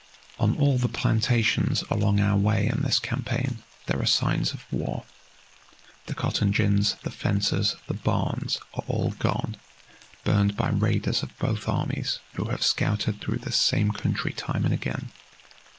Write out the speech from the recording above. "On all the plantations along our way in this campaign there are signs of war. The cotton gins, the fences, the barns, are all gone, burned by raiders of both armies, who have scouted through this same country time and again.